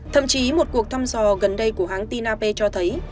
thậm chí một cuộc thăm dò gần đây của hãng tin ap cho thấy